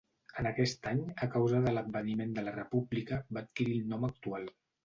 En aquest any, a causa de l'adveniment de la república, va adquirir el nom actual.